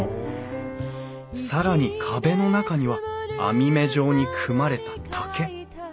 更に壁の中には網目状に組まれた竹。